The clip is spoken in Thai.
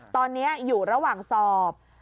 ตอนนี้อยู่ระหว่างสอบ